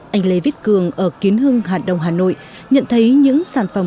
anh lê viết cường ở kiến hưng hàn đông hà nội nhận thấy những sản phẩm